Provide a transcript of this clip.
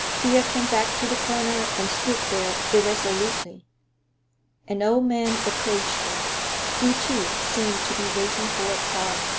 Thea came back to the corner and stood there irresolutely. An old man approached her. He, too, seemed to be waiting for a car.